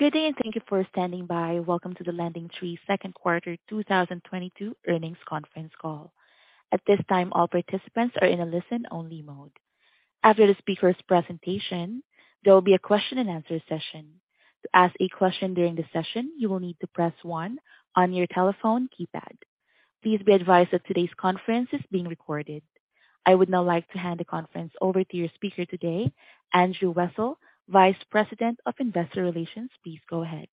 Good day, and thank you for standing by. Welcome to the LendingTree second quarter 2022 earnings conference call. At this time, all participants are in a listen-only mode. After the speaker's presentation, there will be a question-and-answer session. To ask a question during the session, you will need to press one on your telephone keypad. Please be advised that today's conference is being recorded. I would now like to hand the conference over to your speaker today, Andrew Wessel, Vice President of Investor Relations. Please go ahead.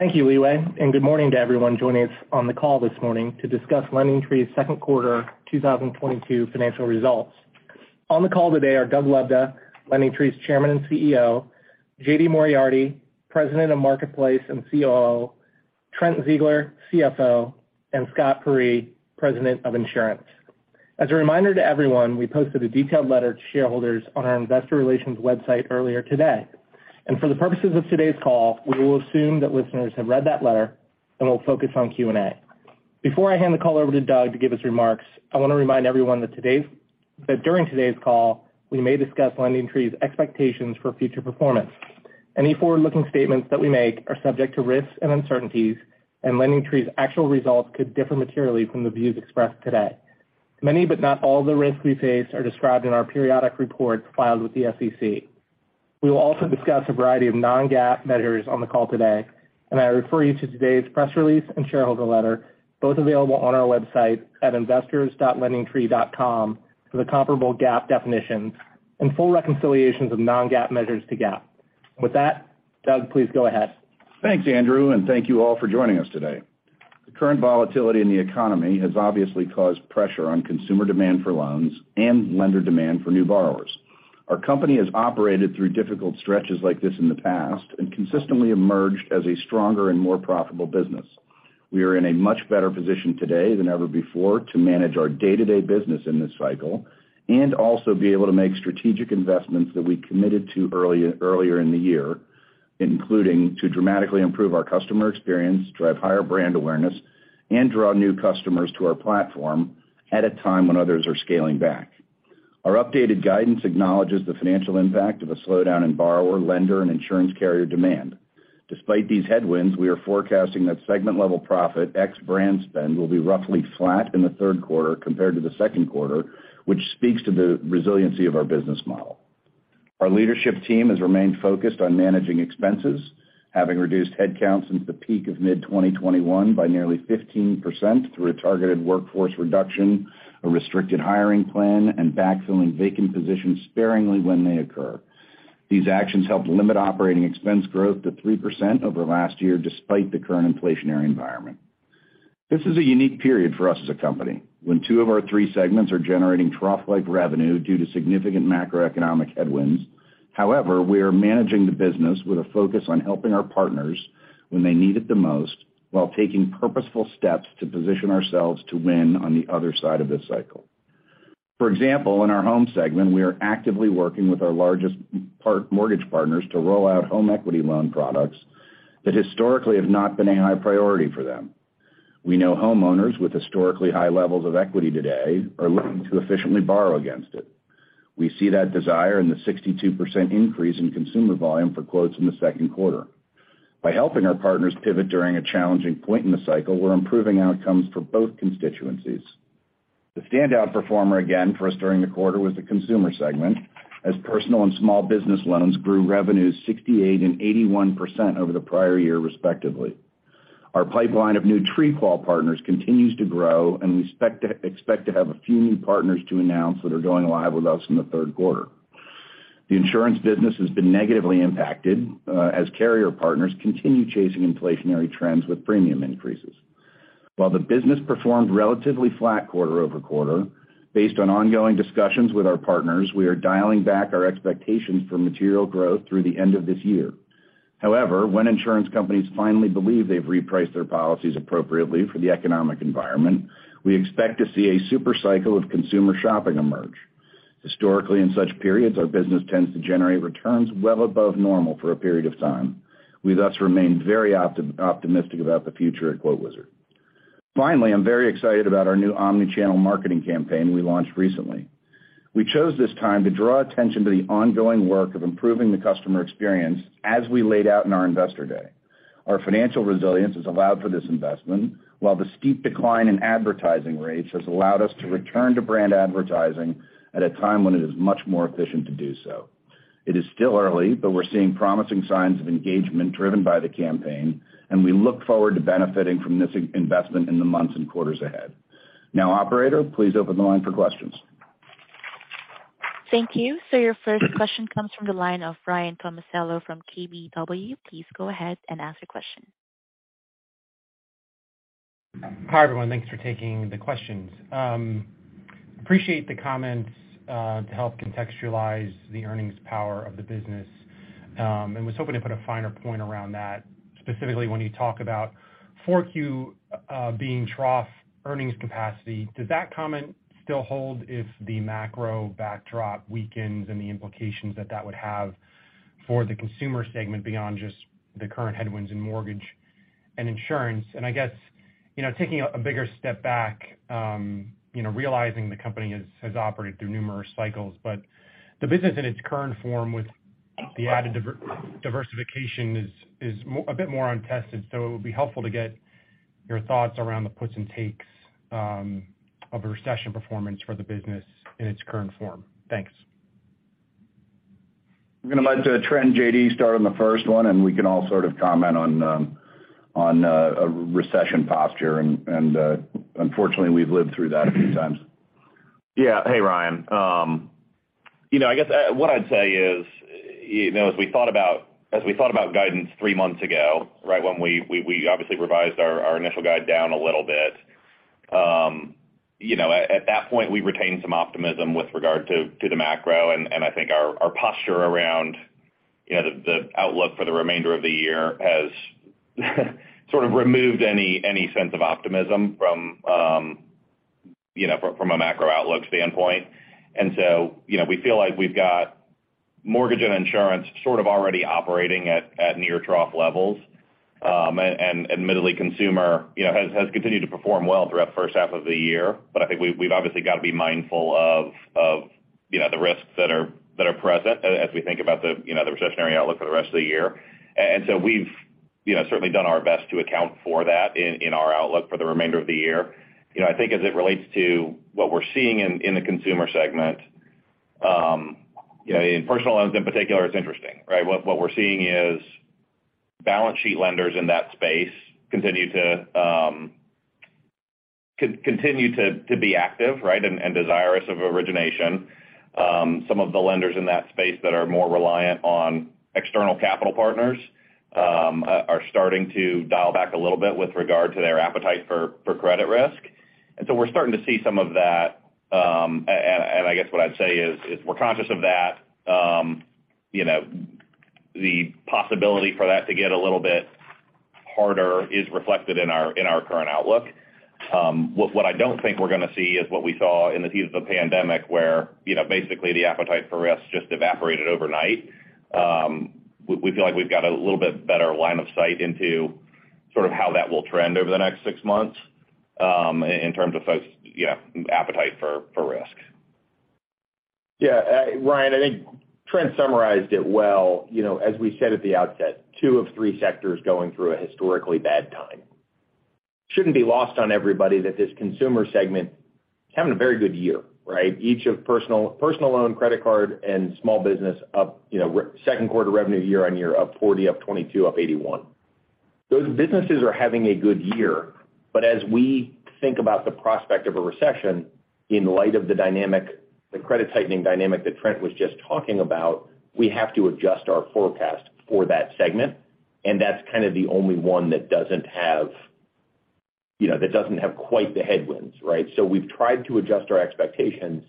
Thank you, Leeway, and good morning to everyone joining us on the call this morning to discuss LendingTree's second quarter 2022 financial results. On the call today are Doug Lebda, LendingTree's Chairman and CEO, J.D. Moriarty, President of Marketplace and COO, Trent Ziegler, CFO, and Scott Peyree, President of Insurance. As a reminder to everyone, we posted a detailed letter to shareholders on our investor relations website earlier today. For the purposes of today's call, we will assume that listeners have read that letter, and we'll focus on Q&A. Before I hand the call over to Doug to give his remarks, I wanna remind everyone that during today's call, we may discuss LendingTree's expectations for future performance. Any forward-looking statements that we make are subject to risks and uncertainties, and LendingTree's actual results could differ materially from the views expressed today. Many, but not all, of the risks we face are described in our periodic reports filed with the SEC. We will also discuss a variety of non-GAAP measures on the call today, and I refer you to today's press release and shareholder letter, both available on our website at investors.lendingtree.com, for the comparable GAAP definitions and full reconciliations of non-GAAP measures to GAAP. With that, Doug, please go ahead. Thanks, Andrew, and thank you all for joining us today. The current volatility in the economy has obviously caused pressure on consumer demand for loans and lender demand for new borrowers. Our company has operated through difficult stretches like this in the past and consistently emerged as a stronger and more profitable business. We are in a much better position today than ever before to manage our day-to-day business in this cycle and also be able to make strategic investments that we committed to earlier in the year, including to dramatically improve our customer experience, drive higher brand awareness, and draw new customers to our platform at a time when others are scaling back. Our updated guidance acknowledges the financial impact of a slowdown in borrower, lender, and insurance carrier demand. Despite these headwinds, we are forecasting that segment-level profit ex brand spend will be roughly flat in the third quarter compared to the second quarter, which speaks to the resiliency of our business model. Our leadership team has remained focused on managing expenses, having reduced headcount since the peak of mid-2021 by nearly 15% through a targeted workforce reduction, a restricted hiring plan, and backfilling vacant positions sparingly when they occur. These actions helped limit operating expense growth to 3% over the last year, despite the current inflationary environment. This is a unique period for us as a company when two of our three segments are generating trough-like revenue due to significant macroeconomic headwinds. However, we are managing the business with a focus on helping our partners when they need it the most, while taking purposeful steps to position ourselves to win on the other side of this cycle. For example, in our Home segment, we are actively working with our largest mortgage partners to roll out home equity loan products that historically have not been a high priority for them. We know homeowners with historically high levels of equity today are looking to efficiently borrow against it. We see that desire in the 62% increase in consumer volume for quotes in the second quarter. By helping our partners pivot during a challenging point in the cycle, we're improving outcomes for both constituencies. The standout performer again for us during the quarter was the Consumer segment, as personal and small business loans grew revenues 68% and 81% over the prior year, respectively. Our pipeline of new TreeQual partners continues to grow, and we expect to have a few new partners to announce that are going live with us in the third quarter. The Insurance business has been negatively impacted, as carrier partners continue chasing inflationary trends with premium increases. While the business performed relatively flat quarter-over-quarter, based on ongoing discussions with our partners, we are dialing back our expectations for material growth through the end of this year. However, when insurance companies finally believe they've repriced their policies appropriately for the economic environment, we expect to see a super cycle of consumer shopping emerge. Historically, in such periods, our business tends to generate returns well above normal for a period of time. We, thus, remain very optimistic about the future at QuoteWizard.com. Finally, I'm very excited about our new omni-channel marketing campaign we launched recently. We chose this time to draw attention to the ongoing work of improving the customer experience as we laid out in our Investor Day. Our financial resilience has allowed for this investment, while the steep decline in advertising rates has allowed us to return to brand advertising at a time when it is much more efficient to do so. It is still early, but we're seeing promising signs of engagement driven by the campaign, and we look forward to benefiting from this investment in the months and quarters ahead. Now, operator, please open the line for questions. Thank you. Your first question comes from the line of Ryan Tomasello from KBW. Please go ahead and ask your question. Hi, everyone. Thanks for taking the questions. Appreciate the comments to help contextualize the earnings power of the business, and was hoping to put a finer point around that, specifically when you talk about Q4 being trough earnings capacity. Does that comment still hold if the macro backdrop weakens and the implications that would have for the Consumer segment beyond just the current headwinds in Mortgage and Insurance? I guess, you know, taking a bigger step back, realizing the company has operated through numerous cycles, but the business in its current form with the added diversification is a bit more untested. It would be helpful to get your thoughts around the puts and takes of a recession performance for the business in its current form. Thanks. I'm gonna let Trent and J.D. start on the first one, and we can all sort of comment on a recession posture, and unfortunately, we've lived through that a few times. Yeah. Hey, Ryan. You know, I guess what I'd say is, you know, as we thought about guidance three months ago, right, when we obviously revised our initial guide down a little bit, you know, at that point, we retained some optimism with regard to the macro. I think our posture around, you know, the outlook for the remainder of the year has sort of removed any sense of optimism from, you know, from a macro outlook standpoint. You know, we feel like we've got Mortgage and Insurance sort of already operating at near trough levels. Admittedly, consumer, you know, has continued to perform well throughout first half of the year. I think we've obviously got to be mindful of you know the risks that are present as we think about you know the recessionary outlook for the rest of the year. We've certainly done our best to account for that in our outlook for the remainder of the year. I think as it relates to what we're seeing in the Consumer segment you know in personal loans in particular it's interesting right? What we're seeing is balance sheet lenders in that space continue to be active right and desirous of origination. Some of the lenders in that space that are more reliant on external capital partners are starting to dial back a little bit with regard to their appetite for credit risk. We're starting to see some of that, and I guess what I'd say is we're conscious of that. You know, the possibility for that to get a little bit harder is reflected in our current outlook. What I don't think we're gonna see is what we saw in the heat of the pandemic where, you know, basically the appetite for risk just evaporated overnight. We feel like we've got a little bit better line of sight into sort of how that will trend over the next six months, in terms of folks', you know, appetite for risk. Yeah. Ryan, I think Trent summarized it well. You know, as we said at the outset, two of three sectors going through a historically bad time. Shouldn't be lost on everybody that this Consumer segment is having a very good year, right? Each of personal loan, credit card, and small business up, you know, second quarter revenue year-over-year, up 40%, up 22%, up 81%. Those businesses are having a good year. As we think about the prospect of a recession in light of the dynamic, the credit tightening dynamic that Trent was just talking about, we have to adjust our forecast for that segment, and that's kind of the only one that doesn't have, you know, that doesn't have quite the headwinds, right? We've tried to adjust our expectations.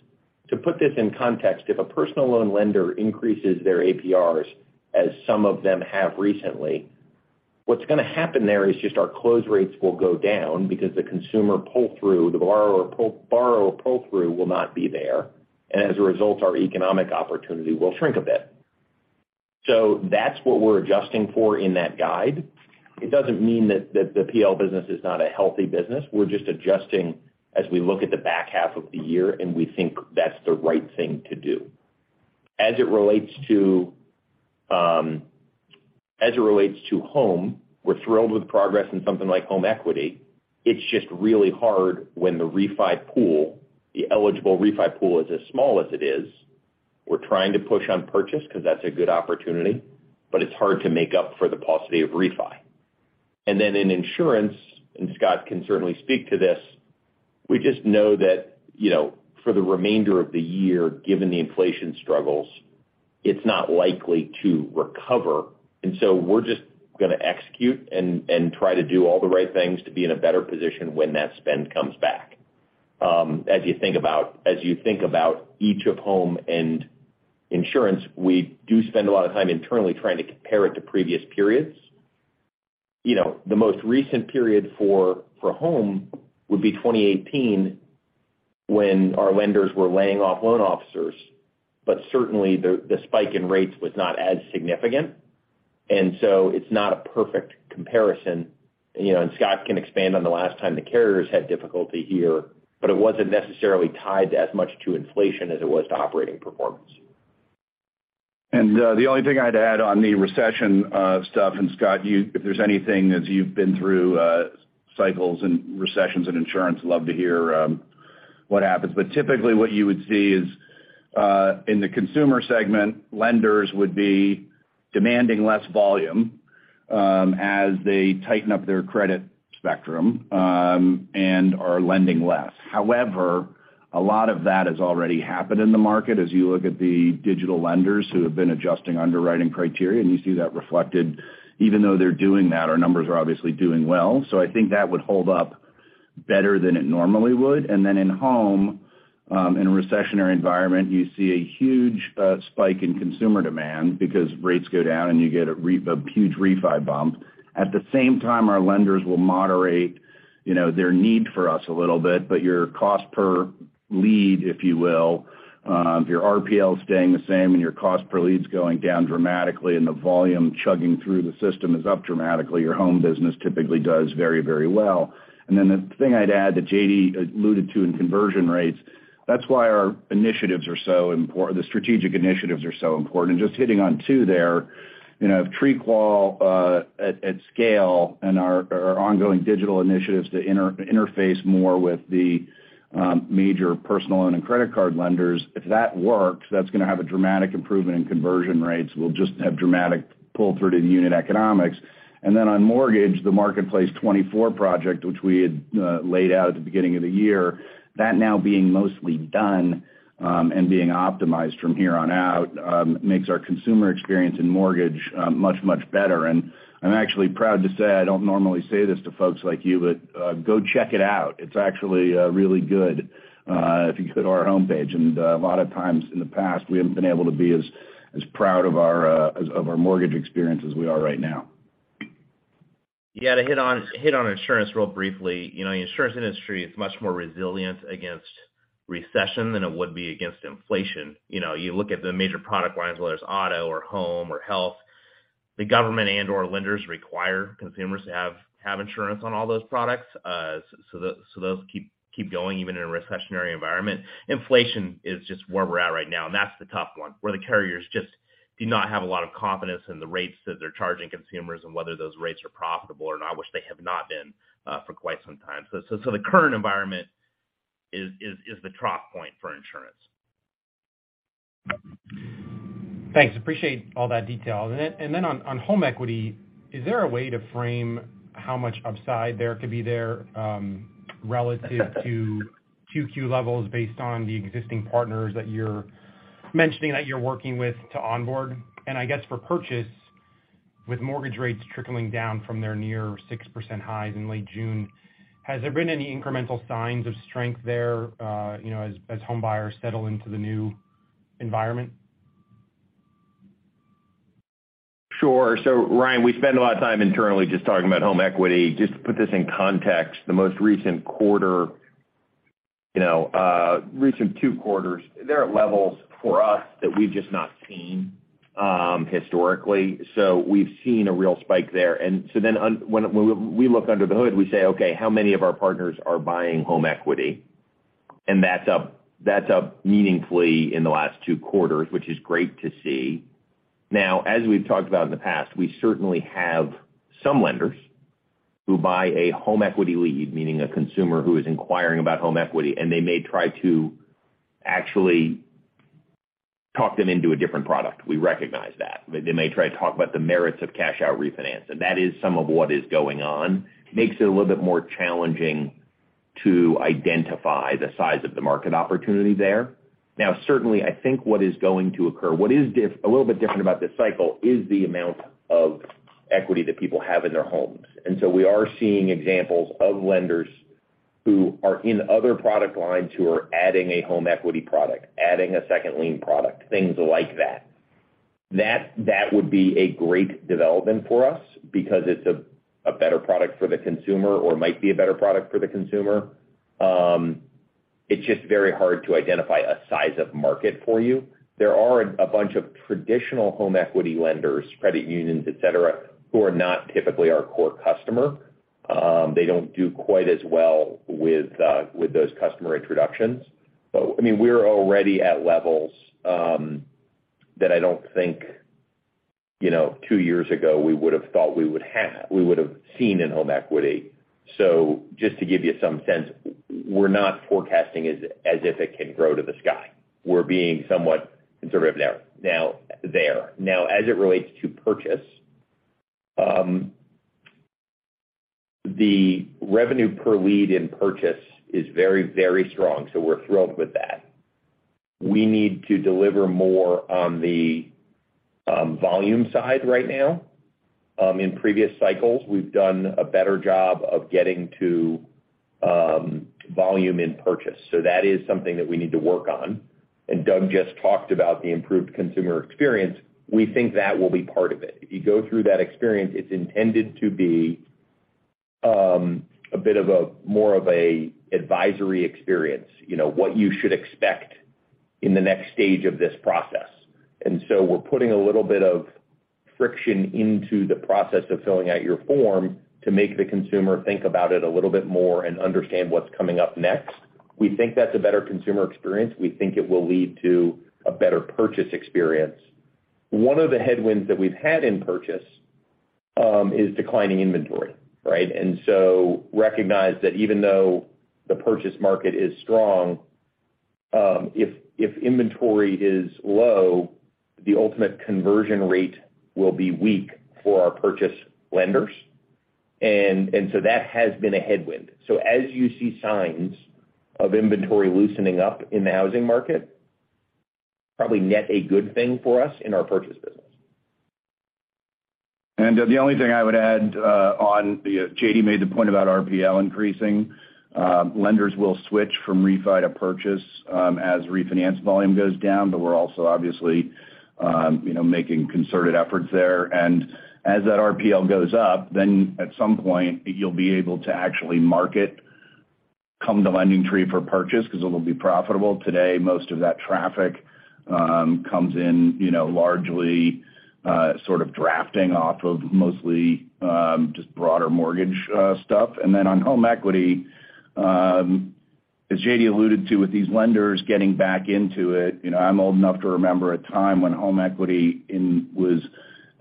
To put this in context, if a personal loan lender increases their APRs, as some of them have recently, what's gonna happen there is just our close rates will go down because the consumer pull-through, the borrower pull-through will not be there. As a result, our economic opportunity will shrink a bit. That's what we're adjusting for in that guide. It doesn't mean that the PL business is not a healthy business. We're just adjusting as we look at the back half of the year, and we think that's the right thing to do. As it relates to Home, we're thrilled with progress in something like home equity. It's just really hard when the refinance pool, the eligible refinance pool is as small as it is. We're trying to push on purchase because that's a good opportunity, but it's hard to make up for the paucity of refinance. In Insurance, Scott can certainly speak to this. We just know that, you know, for the remainder of the year, given the inflation struggles, it's not likely to recover. We're just gonna execute and try to do all the right things to be in a better position when that spend comes back. As you think about each of Home and Insurance, we do spend a lot of time internally trying to compare it to previous periods. You know, the most recent period for Home would be 2018 when our lenders were laying off loan officers. Certainly, the spike in rates was not as significant. It's not a perfect comparison. You know, Scott can expand on the last time the carriers had difficulty here, but it wasn't necessarily tied as much to inflation as it was to operating performance. The only thing I'd add on the recession stuff, and Scott, if there's anything that you've been through cycles and recessions and Insurance, love to hear what happens. Typically, what you would see is in the Consumer segment, lenders would be demanding less volume as they tighten up their credit spectrum and are lending less. However, a lot of that has already happened in the market as you look at the digital lenders who have been adjusting underwriting criteria, and you see that reflected. Even though they're doing that, our numbers are obviously doing well. I think that would hold up better than it normally would. Then in Home In a recessionary environment, you see a huge spike in consumer demand because rates go down, and you get a huge refinance bump. At the same time, our lenders will moderate, you know, their need for us a little bit, but your cost per lead, if you will, if your RPL is staying the same and your cost per lead is going down dramatically and the volume chugging through the system is up dramatically, your Home business typically does very, very well. The thing I'd add that J.D. alluded to in conversion rates, that's why our strategic initiatives are so important. Just hitting on two there, you know, if TreeQual at scale and our ongoing digital initiatives to interface more with the major personal loan and credit card lenders, if that works, that's gonna have a dramatic improvement in conversion rates. We'll just have dramatic pull-through to the unit economics. Then on Mortgage, the Marketplace 24 project, which we had laid out at the beginning of the year, that now being mostly done and being optimized from here on out, makes our consumer experience in Mortgage much better. I'm actually proud to say, I don't normally say this to folks like you, but go check it out. It's actually really good if you go to our homepage. A lot of times in the past, we haven't been able to be as proud of our Mortgage experience as we are right now. Yeah. To hit on Insurance real briefly. You know, the Insurance industry is much more resilient against recession than it would be against inflation. You know, you look at the major product lines, whether it's auto or Home or health, the government and/or lenders require consumers to have Insurance on all those products. So those keep going even in a recessionary environment. Inflation is just where we're at right now, and that's the tough one, where the carriers just do not have a lot of confidence in the rates that they're charging consumers and whether those rates are profitable or not, which they have not been for quite some time. So the current environment is the trough point for Insurance. Thanks. Appreciate all that detail. On home equity, is there a way to frame how much upside there could be there relative to Q2 levels based on the existing partners that you're mentioning that you're working with to onboard? I guess for purchase, with Mortgage rates trickling down from their near 6% highs in late June, has there been any incremental signs of strength there as home buyers settle into the new environment? Sure. Ryan, we spend a lot of time internally just talking about home equity. Just to put this in context, the most recent quarter, you know, recent two quarters, they're at levels for us that we've just not seen, historically. We've seen a real spike there. When we look under the hood, we say, okay, how many of our partners are buying home equity? And that's up meaningfully in the last two quarters, which is great to see. Now, as we've talked about in the past, we certainly have some lenders who buy a home equity lead, meaning a consumer who is inquiring about home equity, and they may try to actually talk them into a different product. We recognize that. They may try to talk about the merits of cash out refinance, and that is some of what is going on. Makes it a little bit more challenging to identify the size of the market opportunity there. Now, certainly, I think what is going to occur, a little bit different about this cycle is the amount of equity that people have in their homes. We are seeing examples of lenders who are in other product lines who are adding a home equity product, adding a second lien product, things like that. That would be a great development for us because it's a better product for the consumer or might be a better product for the consumer. It's just very hard to identify a size of market for you. There are a bunch of traditional home equity lenders, credit unions, et cetera, who are not typically our core customer. They don't do quite as well with those customer introductions. I mean, we're already at levels that I don't think, you know, two years ago, we would have thought we would have seen in home equity. Just to give you some sense, we're not forecasting as if it can grow to the sky. We're being somewhat conservative now there. Now, as it relates to purchase, the revenue per lead in purchase is very, very strong, so we're thrilled with that. We need to deliver more on the volume side right now. In previous cycles, we've done a better job of getting to volume in purchase. That is something that we need to work on. Doug just talked about the improved consumer experience. We think that will be part of it. If you go through that experience, it's intended to be a bit more of an advisory experience. You know, what you should expect in the next stage of this process. We're putting a little bit of friction into the process of filling out your form to make the consumer think about it a little bit more and understand what's coming up next. We think that's a better consumer experience. We think it will lead to a better purchase experience. One of the headwinds that we've had in purchase is declining inventory, right? Recognize that even though the purchase market is strong, if inventory is low, the ultimate conversion rate will be weak for our purchase lenders. that has been a headwind. As you see signs of inventory loosening up in the housing market, probably net a good thing for us in our purchase business. The only thing I would add, J.D. made the point about RPL increasing. Lenders will switch from refinance to purchase, as refinance volume goes down, but we're also obviously, you know, making concerted efforts there. As that RPL goes up, then at some point, you'll be able to actually market, come to LendingTree for purchase 'cause it'll be profitable. Today, most of that traffic comes in, you know, largely, sort of drafting off of mostly, just broader Mortgage stuff. Then on home equity, as J.D. alluded to, with these lenders getting back into it, you know, I'm old enough to remember a time when home equity was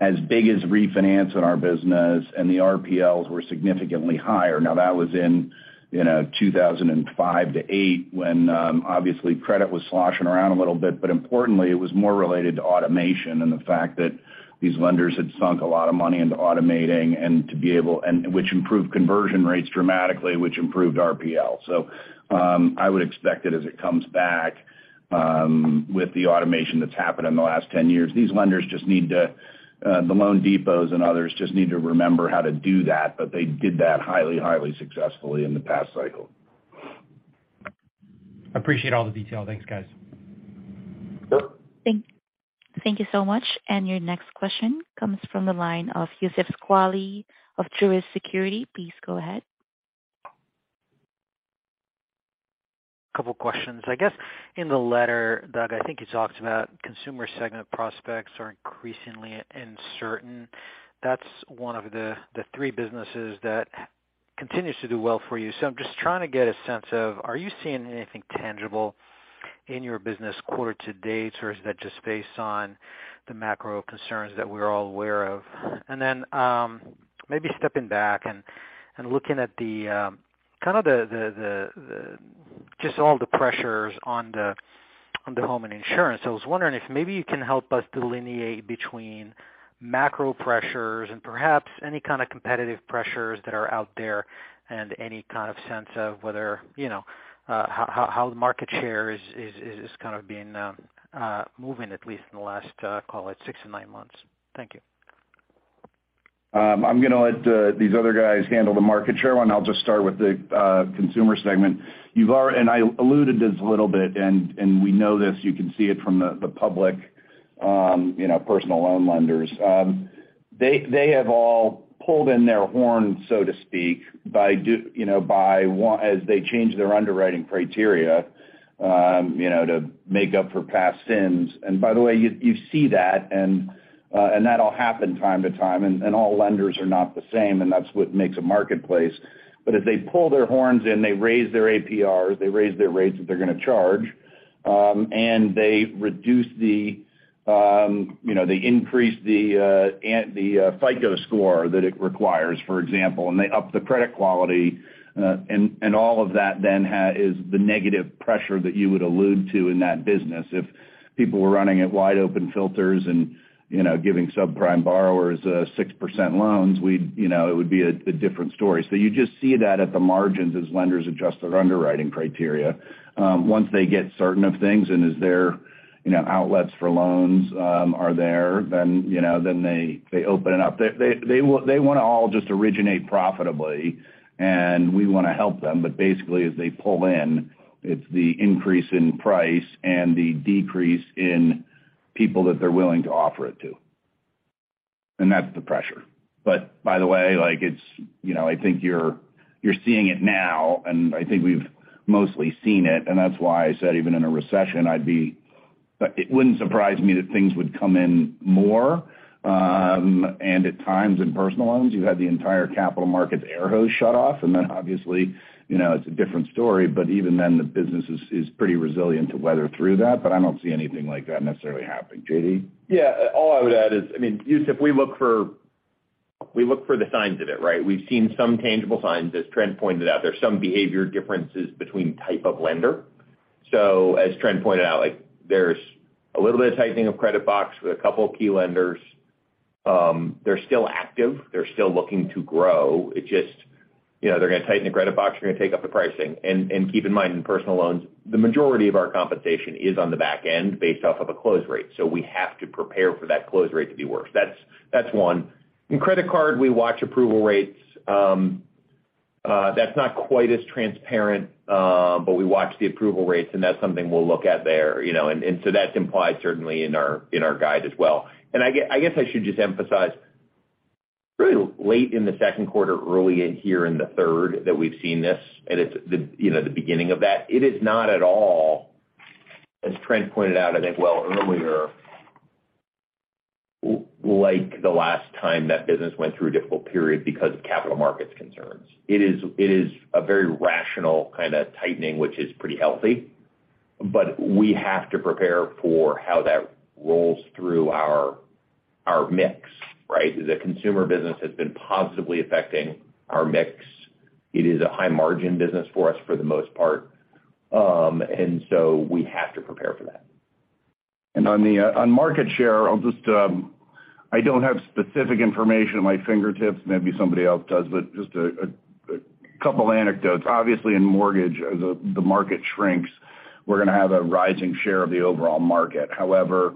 as big as refinance in our business, and the RPLs were significantly higher. Now, that was in, you know, 2005-2008 when, obviously, credit was sloshing around a little bit. Importantly, it was more related to automation and the fact that these lenders had sunk a lot of money into automating, which improved conversion rates dramatically, which improved RPL. I would expect it as it comes back, with the automation that's happened in the last 10 years. These lenders, the loanDepot and others, just need to remember how to do that, but they did that highly successfully in the past cycle. Appreciate all the detail. Thanks, guys. Sure. Thank you so much. Your next question comes from the line of Youssef Squali of Truist Securities. Please go ahead. Couple questions. I guess in the letter, Doug, I think you talked about Consumer segment prospects are increasingly uncertain. That's one of the three businesses that continues to do well for you. I'm just trying to get a sense of, are you seeing anything tangible in your business quarter to date, or is that just based on the macro concerns that we're all aware of? Then, maybe stepping back and looking at the kind of just all the pressures on the Home and Insurance. I was wondering if maybe you can help us delineate between macro pressures and perhaps any kind of competitive pressures that are out there and any kind of sense of whether, you know, how the market share is kind of being moving at least in the last, call it six to nine months. Thank you. I'm gonna let these other guys handle the market share one. I'll just start with the Consumer segment. I alluded to this a little bit, and we know this. You can see it from the public, you know, personal loan lenders. They have all pulled in their horns, so to speak, by, you know, as they change their underwriting criteria, you know, to make up for past sins. By the way, you see that and that'll happen from time to time. All lenders are not the same, and that's what makes a marketplace. As they pull their horns in, they raise their APRs, they raise their rates that they're gonna charge, and they increase the FICO score that it requires, for example, and they up the credit quality. All of that then is the negative pressure that you would allude to in that business. If people were running at wide open filters and, you know, giving subprime borrowers 6% loans, we'd. You know, it would be a different story. You just see that at the margins as lenders adjust their underwriting criteria. Once they get certain of things and as their, you know, outlets for loans are there, then they open it up. They wanna all just originate profitably, and we wanna help them. Basically, as they pull in, it's the increase in price and the decrease in people that they're willing to offer it to. That's the pressure. By the way, like it's. You know, I think you're seeing it now, and I think we've mostly seen it, and that's why I said even in a recession, it wouldn't surprise me that things would come in more. At times in personal loans, you had the entire capital markets air hose shut off, and then obviously, you know, it's a different story. Even then, the business is pretty resilient to weather through that. I don't see anything like that necessarily happening. J.D.? Yeah. All I would add is, I mean, Yusuf, we look for the signs of it, right? We've seen some tangible signs. As Trent pointed out, there's some behavior differences between type of lender. As Trent pointed out, like, there's a little bit of tightening of credit box with a couple key lenders. They're still active. They're still looking to grow. It just. You know, they're gonna tighten the credit box. They're gonna take up the pricing. And keep in mind, in personal loans, the majority of our compensation is on the back end based off of a close rate. We have to prepare for that close rate to be worse. That's one. In credit card, we watch approval rates. That's not quite as transparent, but we watch the approval rates, and that's something we'll look at there, you know. That's implied certainly in our guide as well. I guess I should just emphasize, really late in the second quarter, early in the third that we've seen this, and it's the, you know, the beginning of that. It is not at all, as Trent pointed out I think well earlier, like the last time that business went through a difficult period because of capital markets concerns. It is a very rational kinda tightening, which is pretty healthy. We have to prepare for how that rolls through our mix, right? The consumer business has been positively affecting our mix. It is a high-margin business for us for the most part. We have to prepare for that. On market share, I'll just. I don't have specific information at my fingertips. Maybe somebody else does, but just a couple anecdotes. Obviously, in Mortgage, as the market shrinks, we're gonna have a rising share of the overall market. However,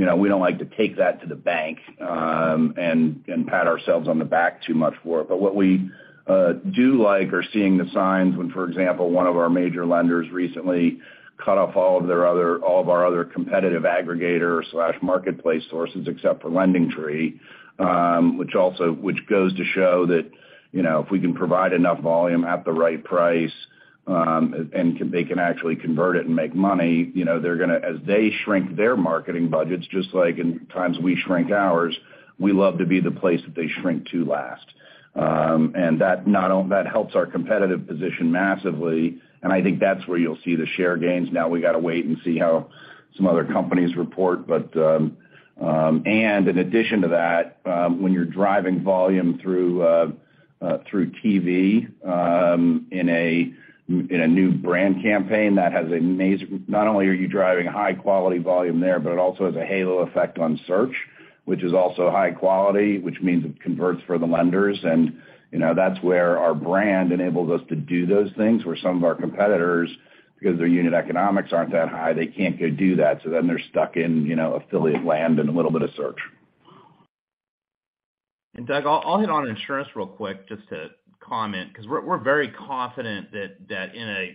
you know, we don't like to take that to the bank, and pat ourselves on the back too much for it. But what we do like are seeing the signs when, for example, one of our major lenders recently cut off all of our other competitive aggregator/marketplace sources except for LendingTree, which goes to show that, you know, if we can provide enough volume at the right price, and they can actually convert it and make money, you know, they're gonna. As they shrink their marketing budgets, just like in times we shrink ours, we love to be the place that they shrink to last. That helps our competitive position massively, and I think that's where you'll see the share gains. Now we gotta wait and see how some other companies report, but. In addition to that, when you're driving volume through TV, in a new brand campaign that not only are you driving high quality volume there, but it also has a halo effect on search, which is also high quality, which means it converts for the lenders. You know, that's where our brand enables us to do those things, where some of our competitors, because their unit economics aren't that high, they can't go do that. They're stuck in, you know, affiliate land and a little bit of search. Doug, I'll hit on Insurance real quick just to comment, 'cause we're very confident that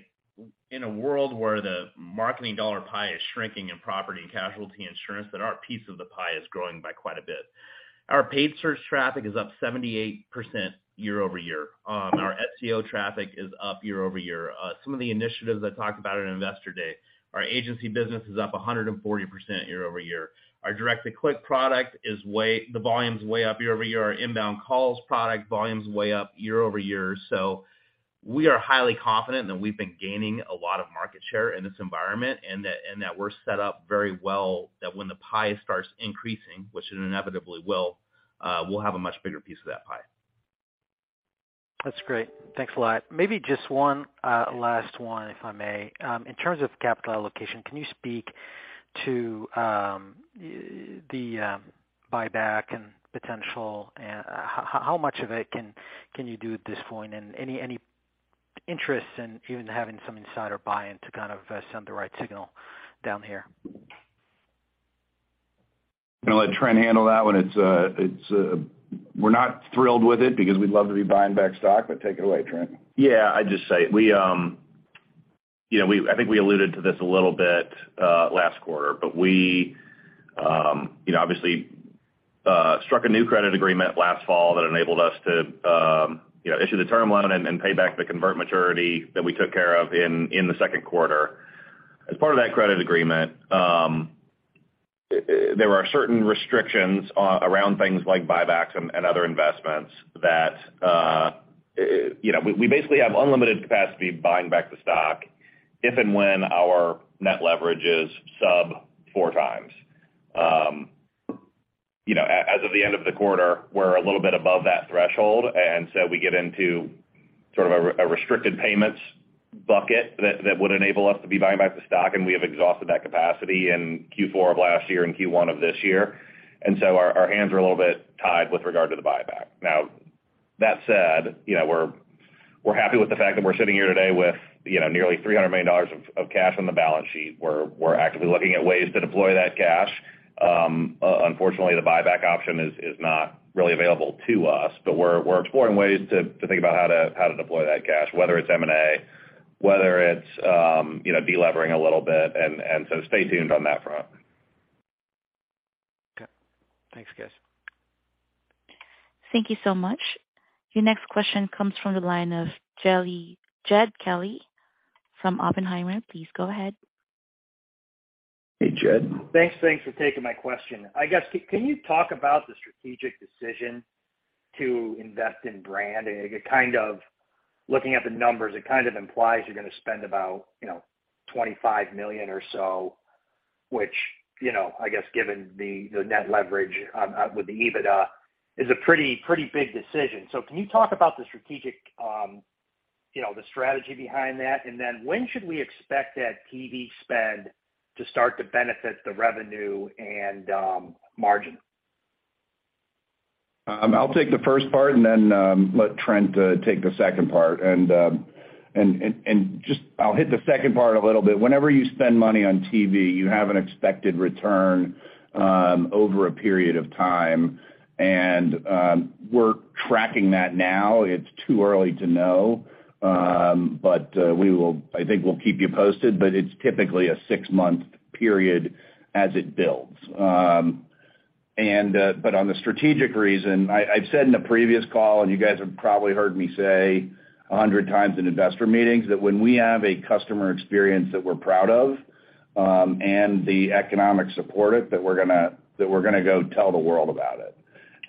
in a world where the marketing dollar pie is shrinking in property and casualty insurance, that our piece of the pie is growing by quite a bit. Our paid search traffic is up 78% year-over-year. Our SEO traffic is up year-over-year. Some of the initiatives I talked about at Investor Day, our agency business is up 140% year-over-year. Our direct-to-click product volume's way up year-over-year. Our inbound calls product volume's way up year-over-year. We are highly confident that we've been gaining a lot of market share in this environment, and that we're set up very well that when the pie starts increasing, which it inevitably will, we'll have a much bigger piece of that pie. That's great. Thanks a lot. Maybe just one last one, if I may. In terms of capital allocation, can you speak to the buyback and potential and how much of it can you do at this point? Any interest in even having some insider buy-in to kind of send the right signal down here? I'm gonna let Trent handle that one. We're not thrilled with it because we'd love to be buying back stock, but take it away, Trent. Yeah, I'd just say we, you know, I think we alluded to this a little bit last quarter. We, you know, obviously struck a new credit agreement last fall that enabled us to, you know, issue the term loan and pay back the convert maturity that we took care of in the second quarter. As part of that credit agreement, there are certain restrictions around things like buybacks and other investments that, you know, we basically have unlimited capacity buying back the stock if and when our net leverage is sub 4x. You know, as of the end of the quarter, we're a little bit above that threshold, and so we get into sort of a restricted payments bucket that would enable us to be buying back the stock, and we have exhausted that capacity in Q4 of last year and Q1 of this year. Our hands are a little bit tied with regard to the buyback. Now that said, you know, we're happy with the fact that we're sitting here today with, you know, nearly $300 million of cash on the balance sheet. We're actively looking at ways to deploy that cash. Unfortunately, the buyback option is not really available to us, but we're exploring ways to think about how to deploy that cash, whether it's M&A, whether it's, you know, de-levering a little bit. So stay tuned on that front. Okay. Thanks, guys. Thank you so much. Your next question comes from the line of Jed Kelly from Oppenheimer. Please go ahead. Hey, Jed. Thanks. Thanks for taking my question. I guess, can you talk about the strategic decision to invest in brand? It kind of, looking at the numbers, it kind of implies you're gonna spend about, you know, $25 million or so, which, you know, I guess, given the net leverage with the EBITDA is a pretty big decision. Can you talk about the strategic, you know, the strategy behind that? Then when should we expect that TV spend to start to benefit the revenue and margin? I'll take the first part and then let Trent take the second part. I'll hit the second part a little bit. Whenever you spend money on TV, you have an expected return over a period of time. We're tracking that now. It's too early to know. I think we'll keep you posted, but it's typically a 6-month period as it builds. On the strategic reason, I've said in a previous call, and you guys have probably heard me say 100 times in investor meetings, that when we have a customer experience that we're proud of and the economics support it, that we're gonna go tell the world about it.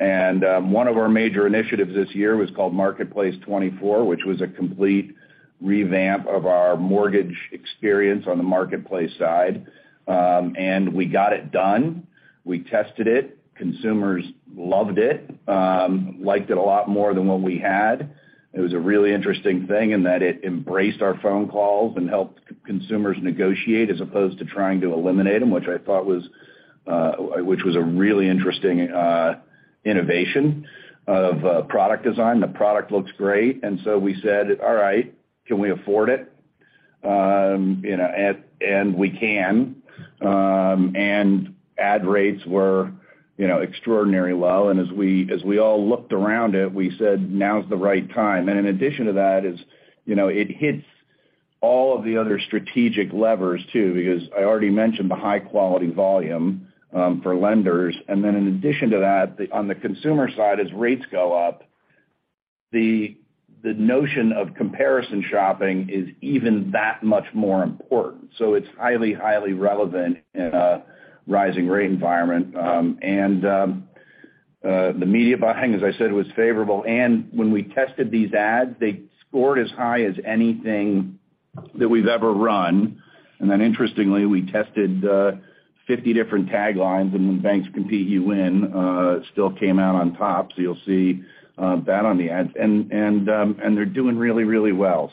One of our major initiatives this year was called Marketplace 24, which was a complete revamp of our Mortgage experience on the marketplace side. We got it done. We tested it. Consumers loved it. Liked it a lot more than what we had. It was a really interesting thing in that it embraced our phone calls and helped consumers negotiate as opposed to trying to eliminate them, which I thought was a really interesting innovation of product design. The product looks great, and so we said, "All right, can we afford it?" We can. Ad rates were, you know, extraordinarily low. As we all looked around it, we said, "Now's the right time." In addition to that, you know, it hits all of the other strategic levers too, because I already mentioned the high-quality volume for lenders. Then in addition to that, on the consumer side, as rates go up, the notion of comparison shopping is even that much more important. It's highly relevant in a rising rate environment. The media buying, as I said, was favorable. When we tested these ads, they scored as high as anything that we've ever run. Then interestingly, we tested 50 different taglines, and "when banks compete, you win" still came out on top. You'll see that on the ads. They're doing really well.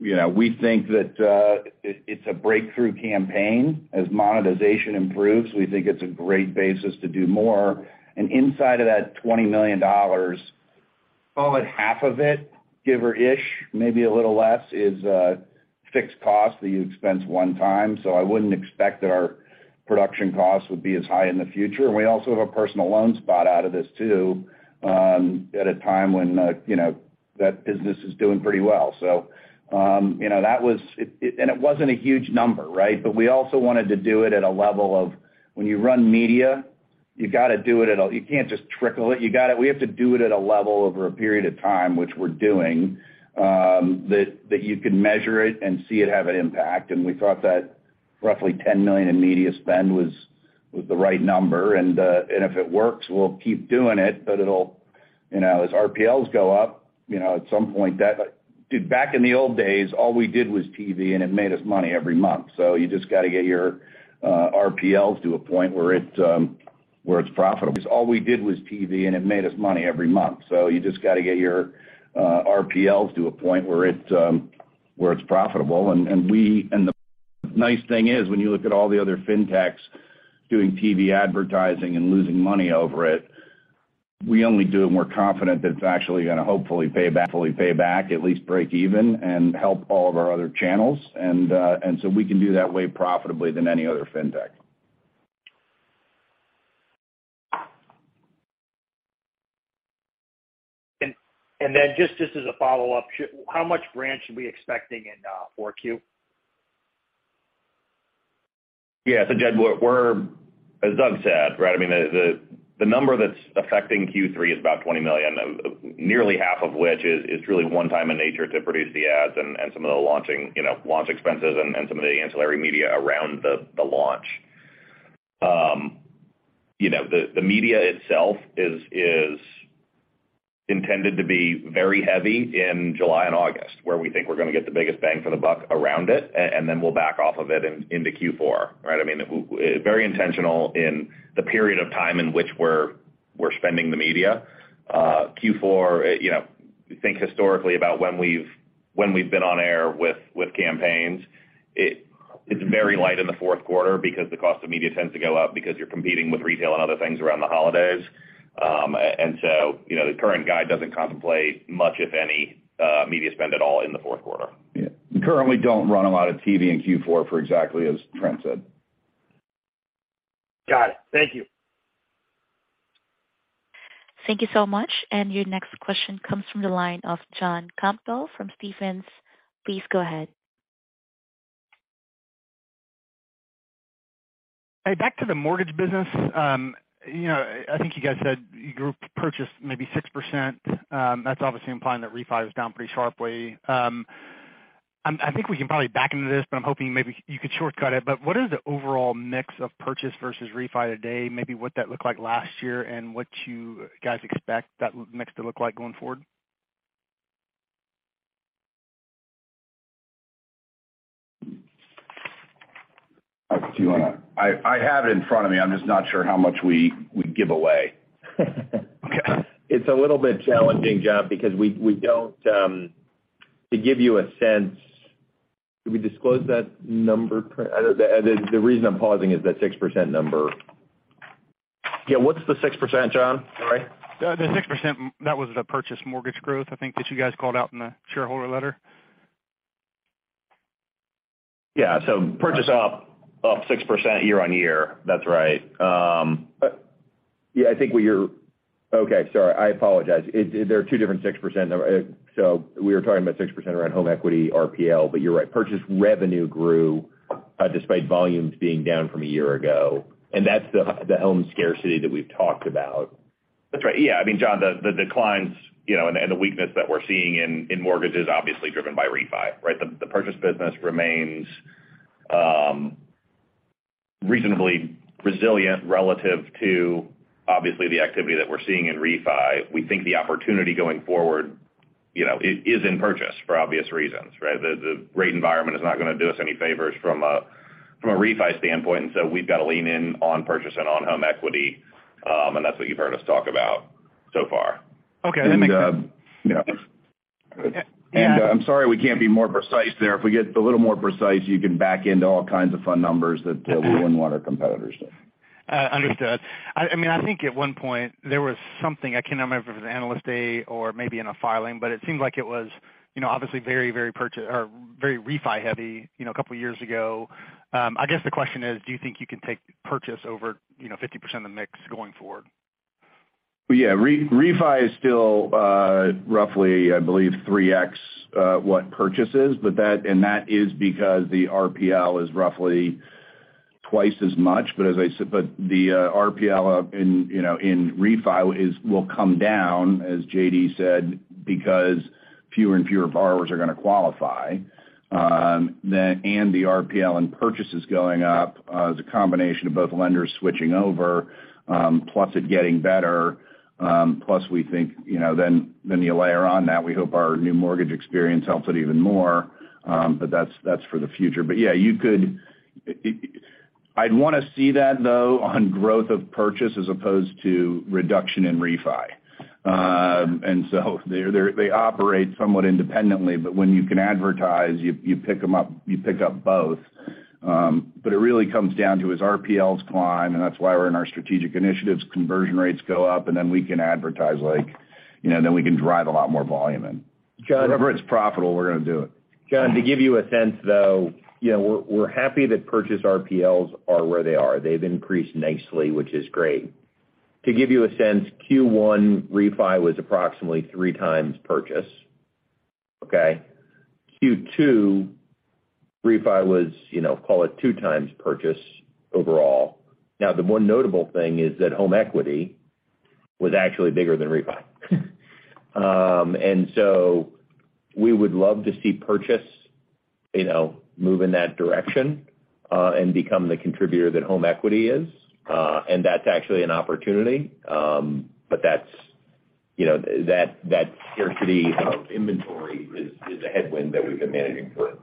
You know, we think that it's a breakthrough campaign. As monetization improves, we think it's a great basis to do more. Inside of that $20 million, call it half of it, give or take-ish, maybe a little less, is fixed cost that you expense one time. I wouldn't expect that our production costs would be as high in the future. We also have a personal loan spot out of this too, at a time when you know, that business is doing pretty well. It wasn't a huge number, right? We also wanted to do it at a level when you run media, you gotta do it at a level. You can't just trickle it. We have to do it at a level over a period of time, which we're doing, that you can measure it and see it have an impact. We thought that roughly $10 million in media spend was the right number. If it works, we'll keep doing it, but it'll, you know, as RPLs go up, you know, at some point. Dude, back in the old days, all we did was TV, and it made us money every month. You just got to get your RPLs to a point where it's profitable. The nice thing is when you look at all the other fintechs doing TV advertising and losing money over it, we only do it more confidently that it's actually gonna hopefully pay back, at least break even and help all of our other channels. We can do that way more profitably than any other fintech. Just as a follow-up, how much growth are we expecting in 4Q? Yeah. Jed, we're. As Doug said, right, I mean, the number that's affecting Q3 is about $20 million, nearly half of which is really one time in nature to produce the ads and some of the launch, you know, launch expenses and some of the ancillary media around the launch. You know, the media itself is intended to be very heavy in July and August, where we think we're gonna get the biggest bang for the buck around it, and then we'll back off of it into Q4, right? I mean, very intentional in the period of time in which we're spending the media. Q4, you know, think historically about when we've been on air with campaigns. It's very light in the fourth quarter because the cost of media tends to go up because you're competing with retail and other things around the holidays. You know, the current guide doesn't contemplate much, if any, media spend at all in the fourth quarter. Yeah. We currently don't run a lot of TV in Q4 for exactly as Trent said. Got it. Thank you. Thank you so much. Your next question comes from the line of John Campbell from Stephens. Please go ahead. Hey, back to the Mortgage business. You know, I think you guys said you grew purchased maybe 6%. That's obviously implying that refinance is down pretty sharply. I think we can probably back into this, but I'm hoping maybe you could shortcut it. What is the overall mix of purchase versus refinance today, maybe what that looked like last year and what you guys expect that mix to look like going forward? Do you wanna- I have it in front of me. I'm just not sure how much we would give away. It's a little bit challenging, John, because we don't. To give you a sense, did we disclose that number, Trent? The reason I'm pausing is that 6% number. Yeah. What's the 6%, John? Sorry. The 6%, that was the purchase Mortgage growth, I think that you guys called out in the shareholder letter. Yeah. Purchase up 6% year-over-year. That's right. Yeah, I think. Okay. Sorry. I apologize. There are two different 6%. We were talking about 6% around home equity RPL, but you're right. Purchase revenue grew despite volumes being down from a year ago. That's the home scarcity that we've talked about. That's right. Yeah. I mean, John, the declines, you know, and the weakness that we're seeing in Mortgage is obviously driven by refinance, right? The purchase business remains reasonably resilient relative to obviously the activity that we're seeing in refinance. We think the opportunity going forward, you know, is in purchase for obvious reasons, right? The rate environment is not gonna do us any favors from a refinance standpoint, and so we've got to lean in on purchase and on home equity. That's what you've heard us talk about so far. Okay. That makes sense. Yeah. I'm sorry we can't be more precise there. If we get a little more precise, you can back into all kinds of fun numbers that we wouldn't want our competitors to. I mean, I think at one point there was something, I can't remember if it was Analyst Day or maybe in a filing, but it seemed like it was, you know, obviously very refinance heavy, you know, a couple years ago. I guess the question is, do you think you can take purchase over 50% of the mix going forward? Yeah. Refinance is still roughly, I believe, 3x what purchase is. That is because the RPL is roughly twice as much. The RPL in refinance will come down, as J.D. said, because fewer and fewer borrowers are going to qualify. The RPL in purchase is going up as a combination of both lenders switching over plus it getting better. Plus, we think, you know, then you layer on that, we hope our new Mortgage experience helps it even more. That's for the future. Yeah, you could. I'd want to see that though on growth of purchase as opposed to reduction in refinance. They operate somewhat independently, but when you can advertise, you pick them up, you pick up both. It really comes down to is RPLs climb, and that's why we're in our strategic initiatives. Conversion rates go up, and then we can advertise like, you know, then we can drive a lot more volume in. John- Wherever it's profitable, we're going to do it. John, to give you a sense, though, you know, we're happy that purchase RPLs are where they are. They've increased nicely, which is great. To give you a sense, Q1 refinance was approximately 3x purchase. Okay. Q2 refinance was, you know, call it 2x purchase overall. Now, the one notable thing is that home equity was actually bigger than refinance. We would love to see purchase, you know, move in that direction and become the contributor that home equity is. That's actually an opportunity. That's, you know, that scarcity of inventory is a headwind that we've been managing through.re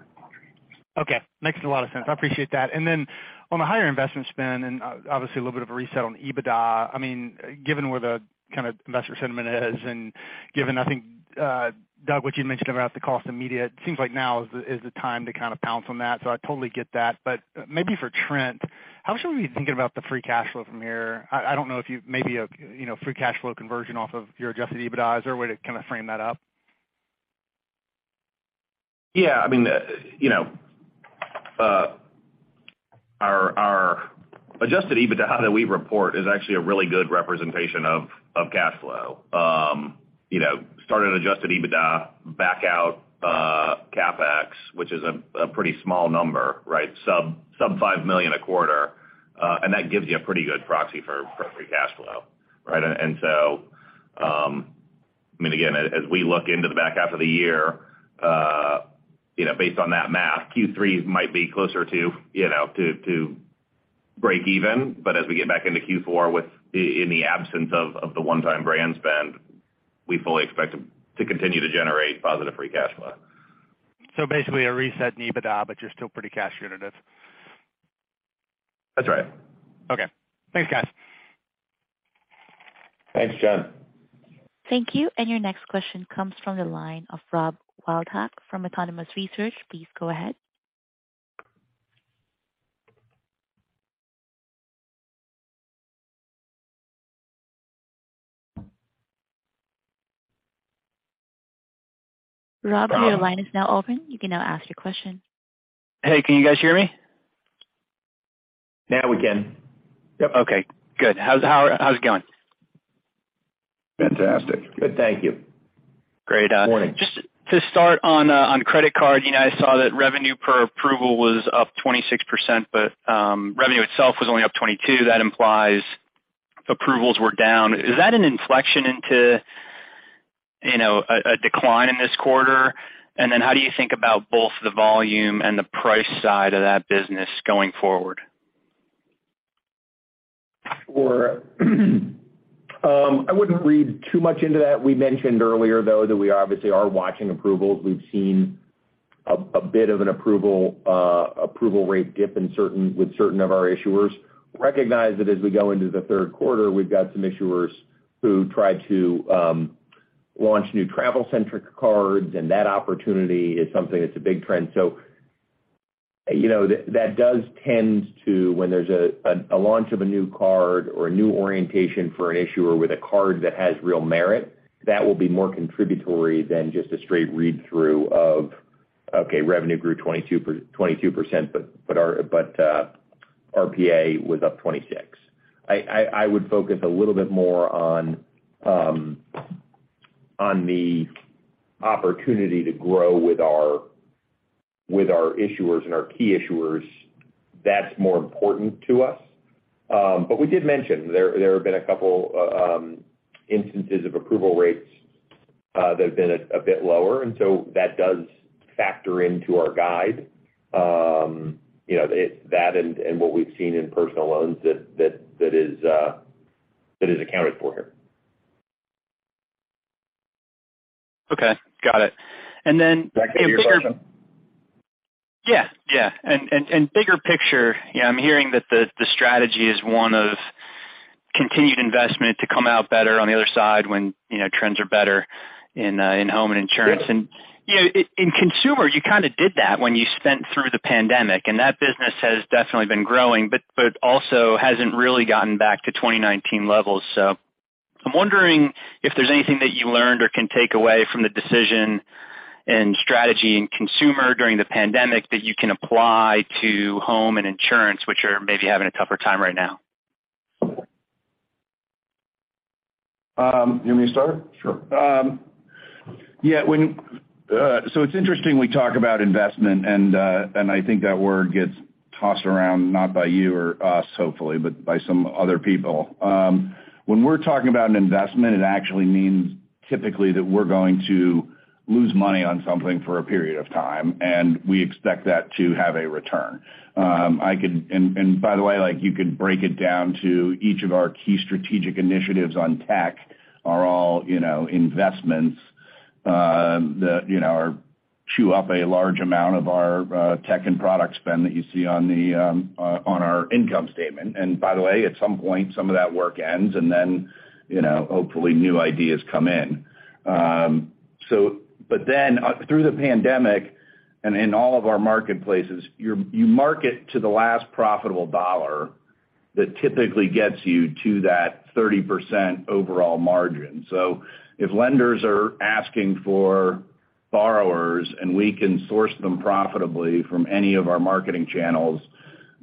Okay. Makes a lot of sense. I appreciate that. Then on the higher investment spend and obviously a little bit of a reset on EBITDA, I mean, given where the kind of investor sentiment is and given, I think, Doug, what you mentioned about the cost of media, it seems like now is the time to kind of pounce on that. I totally get that. Maybe for Trent, how should we be thinking about the free cash flow from here? I don't know if you maybe, you know, free cash flow conversion off of your adjusted EBITDA. Is there a way to kind of frame that up? Yeah, I mean, you know, our adjusted EBITDA that we report is actually a really good representation of cash flow. You know, starting adjusted EBITDA back out CapEx, which is a pretty small number, right? Sub $5 million a quarter, and that gives you a pretty good proxy for free cash flow, right? I mean, again, as we look into the back half of the year, you know, based on that math, Q3 might be closer to, you know, to break even. But as we get back into Q4 in the absence of the one-time brand spend, we fully expect to continue to generate positive free cash flow. Basically a reset in EBITDA, but you're still pretty cash generative. That's right. Okay. Thanks, guys. Thanks, John. Thank you. Your next question comes from the line of Rob Wildhack from Autonomous Research. Please go ahead. Rob, your line is now open. You can now ask your question. Hey, can you guys hear me? Now we can. Yep. Okay, good. How's it going? Fantastic. Good. Thank you. Great. Morning. Just to start on credit card, you know, I saw that revenue per approval was up 26%, but revenue itself was only up 22%. That implies approvals were down. Is that an inflection into, you know, a decline in this quarter? How do you think about both the volume and the price side of that business going forward? Sure. I wouldn't read too much into that. We mentioned earlier, though, that we obviously are watching approvals. We've seen a bit of an approval rate dip with certain of our issuers. Recognize that as we go into the third quarter, we've got some issuers who try to launch new travel-centric cards, and that opportunity is something that's a big trend. You know, that does tend to when there's a launch of a new card or a new orientation for an issuer with a card that has real merit, that will be more contributory than just a straight read-through of, okay, revenue grew 22%, but our RPA was up 26%. I would focus a little bit more on the opportunity to grow with our issuers and our key issuers. That's more important to us. We did mention there have been a couple instances of approval rates that have been a bit lower, and so that does factor into our guide. You know, that and what we've seen in personal loans that is accounted for here. Okay, got it. Did that answer your question?. Yeah. Bigger picture, you know, I'm hearing that the strategy is one of continued investment to come out better on the other side when, you know, trends are better in Home and Insurance. Yeah. You know, in consumer, you kinda did that when you spent through the pandemic, and that business has definitely been growing, but also hasn't really gotten back to 2019 levels. I'm wondering if there's anything that you learned or can take away from the decision and strategy in consumer during the pandemic that you can apply to Home and Insurance, which are maybe having a tougher time right now. You want me to start? Sure. It's interesting we talk about investment, and I think that word gets tossed around not by you or us, hopefully, but by some other people. When we're talking about an investment, it actually means typically that we're going to lose money on something for a period of time, and we expect that to have a return. By the way, like, you could break it down to each of our key strategic initiatives on tech are all, you know, investments that, you know, chew up a large amount of our tech and product spend that you see on our income statement. By the way, at some point, some of that work ends and then, you know, hopefully new ideas come in. Through the pandemic and in all of our marketplaces, you market to the last profitable dollar that typically gets you to that 30% overall margin. If lenders are asking for borrowers and we can source them profitably from any of our marketing channels,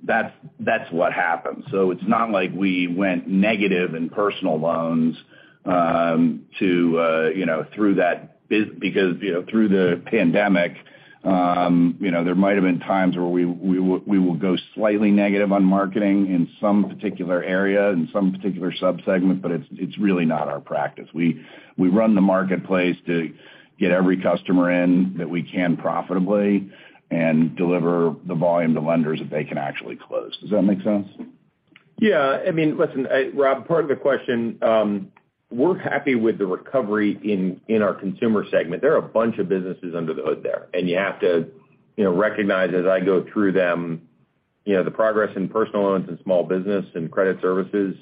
that's what happens. It's not like we went negative in personal loans to you know through that biz because you know through the pandemic you know there might have been times where we would go slightly negative on marketing in some particular area in some particular subsegment, but it's really not our practice. We run the marketplace to get every customer in that we can profitably and deliver the volume to lenders that they can actually close. Does that make sense? Yeah. I mean, listen, Rob, part of the question, we're happy with the recovery in our Consumer segment. There are a bunch of businesses under the hood there, and you have to, you know, recognize as I go through them, you know, the progress in personal loans and small business and credit services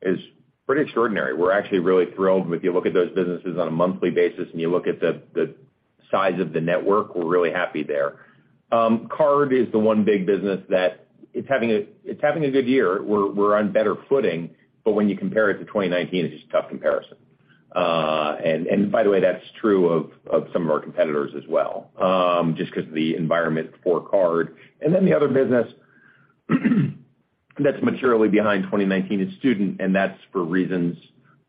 is pretty extraordinary. We're actually really thrilled. If you look at those businesses on a monthly basis, and you look at the size of the network, we're really happy there. Card is the one big business that's having a good year. We're on better footing. When you compare it to 2019, it's just a tough comparison. By the way, that's true of some of our competitors as well, just 'cause of the environment for card. Then the other business that's materially behind 2019 is student, and that's for reasons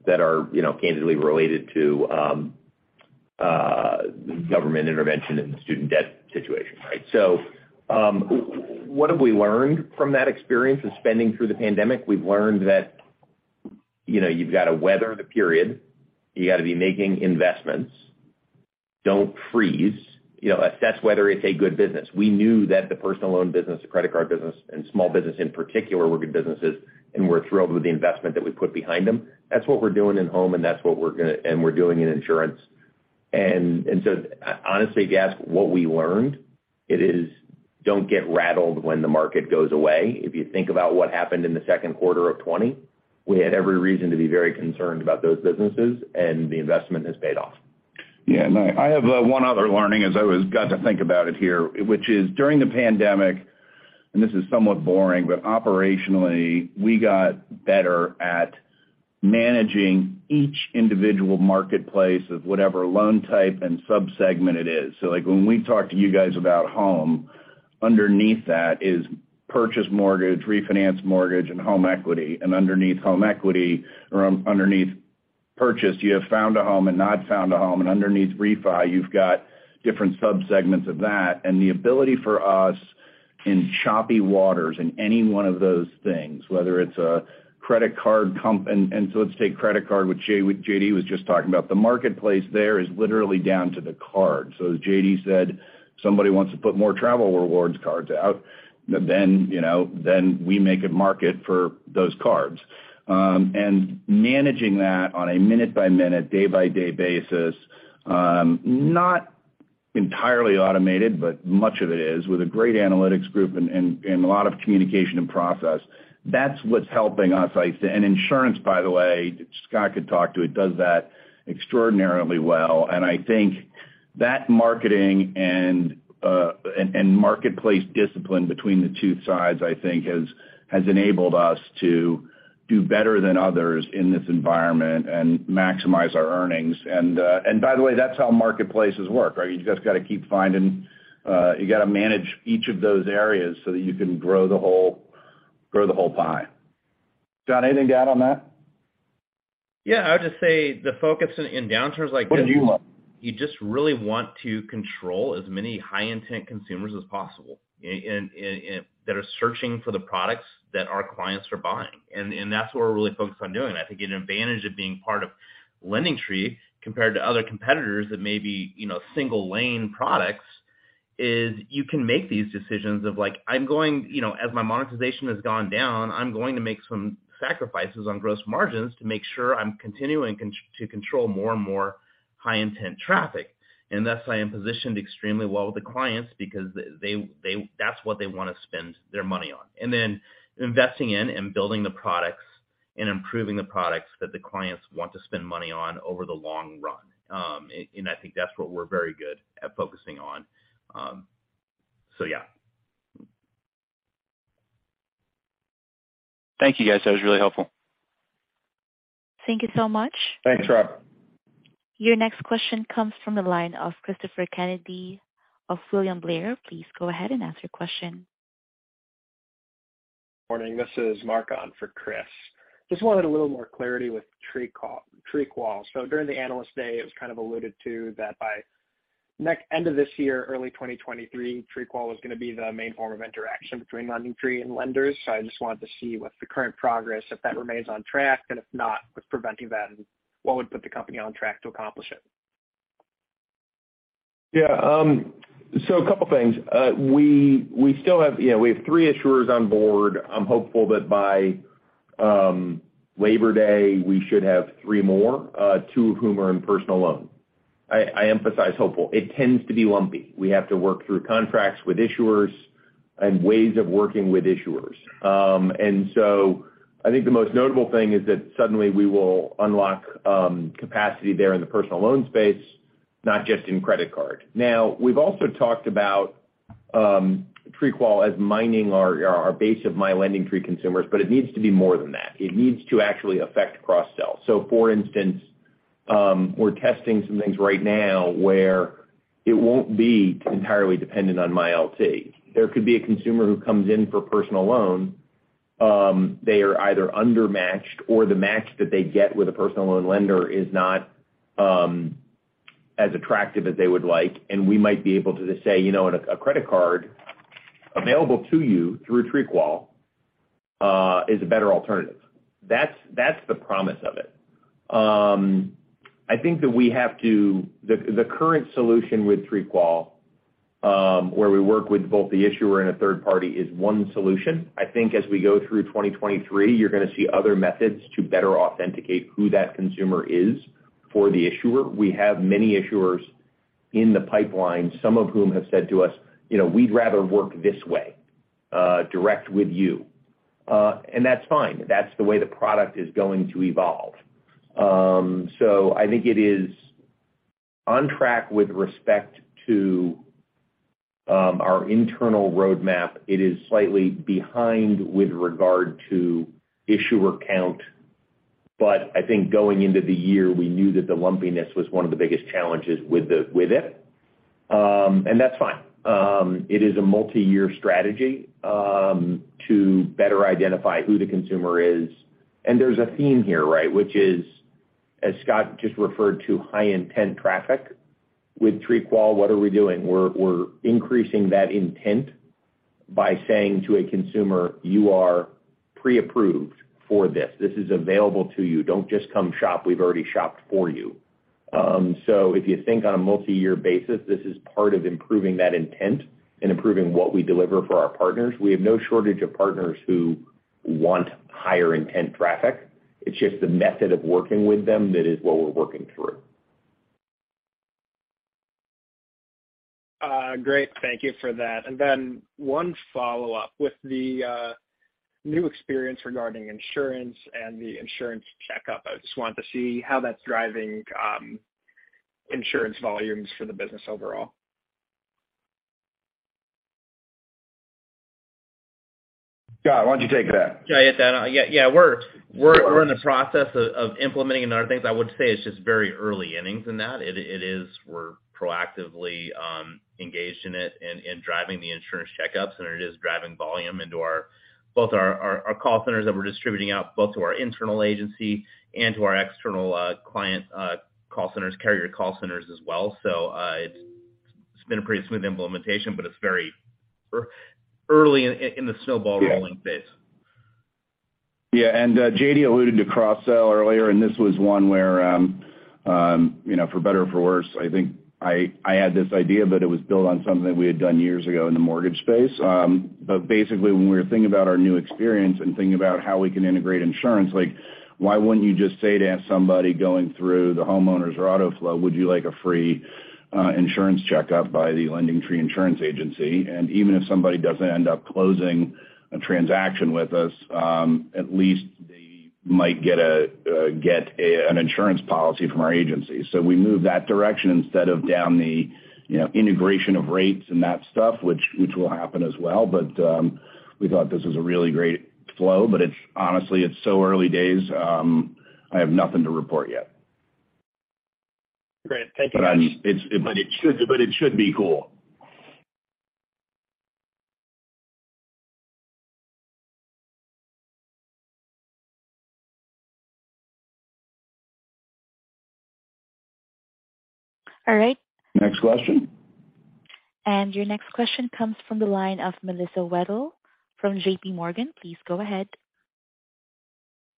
that are, you know, candidly related to government intervention in the student debt situation, right? What have we learned from that experience of spending through the pandemic? We've learned that, you know, you've got to weather the period. You gotta be making investments. Don't freeze. You know, assess whether it's a good business. We knew that the personal loan business, the credit card business, and small business in particular were good businesses, and we're thrilled with the investment that we put behind them. That's what we're doing in Home, and that's what we're doing in Insurance. So honestly, if you ask what we learned, it is don't get rattled when the market goes away. If you think about what happened in the second quarter of 2020, we had every reason to be very concerned about those businesses, and the investment has paid off. No, I have one other learning as I got to think about it here, which is during the pandemic. This is somewhat boring, but operationally, we got better at managing each individual marketplace of whatever loan type and subsegment it is. Like when we talk to you guys about Home, underneath that is purchase mortgage, refinance mortgage, and home equity. Underneath home equity, underneath purchase, you have found a home and not found a home, and underneath refinance, you've got different subsegments of that. The ability for us in choppy waters in any one of those things, whether it's a credit card. So let's take credit card, which J.D. was just talking about. The marketplace there is literally down to the card. As J.D. said, somebody wants to put more travel rewards cards out, then, you know, then we make a market for those cards. Managing that on a minute-by-minute, day-by-day basis, not entirely automated, but much of it is with a great analytics group and a lot of communication and process. That's what's helping us. Insurance, by the way, Scott could talk to it, does that extraordinarily well. I think that marketing and marketplace discipline between the two sides, I think has enabled us to do better than others in this environment and maximize our earnings. By the way, that's how marketplaces work, right? You just gotta keep finding you gotta manage each of those areas so that you can grow the whole pie. Scott, anything to add on that? Yeah. I would just say the focus in downturns like this. What did you learn? You just really want to control as many high-intent consumers as possible in that are searching for the products that our clients are buying. That's what we're really focused on doing. I think an advantage of being part of LendingTree compared to other competitors that may be, you know, single lane products. As you can make these decisions like, I'm going as my monetization has gone down, I'm going to make some sacrifices on gross margins to make sure I'm continuing to control more and more high-intent traffic. Thus I am positioned extremely well with the clients because that's what they wanna spend their money on. Then investing in and building the products and improving the products that the clients want to spend money on over the long run. I think that's what we're very good at focusing on. Yeah. Thank you, guys. That was really helpful. Thank you so much. Thanks, Rob. Your next question comes from the line of Christopher Kennedy of William Blair. Please go ahead and ask your question. Morning, this is Mark on for Chris. Just wanted a little more clarity with TreeQual. During the Analyst Day, it was kind of alluded to that by year's end this year, early 2023, TreeQual was gonna be the main form of interaction between LendingTree and lenders. I just wanted to see what's the current progress, if that remains on track, and if not, what's preventing that and what would put the company on track to accomplish it? Yeah. A couple things. We still have three issuers on board. You know, we have three issuers on board. I'm hopeful that by Labor Day, we should have three more, two of whom are in personal loan. I emphasize hopeful. It tends to be lumpy. We have to work through contracts with issuers and ways of working with issuers. I think the most notable thing is that suddenly we will unlock capacity there in the personal loan space, not just in credit card. Now, we've also talked about TreeQual as mining our base of My LendingTree consumers, but it needs to be more than that. It needs to actually affect cross-sell. For instance, we're testing some things right now where it won't be entirely dependent on My LendingTree. There could be a consumer who comes in for personal loan, they are either under-matched or the match that they get with a personal loan lender is not as attractive as they would like, and we might be able to just say, "You know what? A credit card available to you through TreeQual is a better alternative." That's the promise of it. The current solution with TreeQual, where we work with both the issuer and a third party is one solution. I think as we go through 2023, you're gonna see other methods to better authenticate who that consumer is for the issuer. We have many issuers in the pipeline, some of whom have said to us, "You know, we'd rather work this way, direct with you." And that's fine. That's the way the product is going to evolve. I think it is on track with respect to our internal roadmap. It is slightly behind with regard to issuer count, but I think going into the year, we knew that the lumpiness was one of the biggest challenges with it. That's fine. It is a multi-year strategy to better identify who the consumer is. There's a theme here, right? Which is, as Scott just referred to, high-intent traffic. With TreeQual, what are we doing? We're increasing that intent by saying to a consumer, "You are pre-approved for this. This is available to you. Don't just come shop. We've already shopped for you." If you think on a multi-year basis, this is part of improving that intent and improving what we deliver for our partners. We have no shortage of partners who want higher intent traffic. It's just the method of working with them that is what we're working through. Great. Thank you for that. One follow-up. With the new experience regarding Insurance and the Insurance checkup, I just wanted to see how that's driving Insurance volumes for the business overall. Scott, why don't you take that? Yeah, I get that. Yeah, we're in the process of implementing and other things. I would say it's just very early innings in that. We're proactively engaged in it in driving the insurance checkups, and it is driving volume into our both our call centers that we're distributing out both to our internal agency and to our external client call centers, carrier call centers as well. It's been a pretty smooth implementation, but it's very early in the snowball rolling phase. Yeah. J.D. alluded to cross-sell earlier, and this was one where, you know, for better or for worse, I think I had this idea, but it was built on something that we had done years ago in the Mortgage space. Basically, when we were thinking about our new experience and thinking about how we can integrate Insurance, like, why wouldn't you just say to somebody going through the homeowners or auto flow, "Would you like a free insurance checkup by the LendingTree insurance agency?" And even if somebody doesn't end up closing a transaction with us, at least they might get an insurance policy from our agency. We move that direction instead of down the, you know, integration of rates and that stuff, which will happen as well. We thought this was a really great flow. It's honestly so early days, I have nothing to report yet. Great. Thank you. It should be cool. All right. Next question. Your next question comes from the line of Melissa Wedel from JPMorgan. Please go ahead.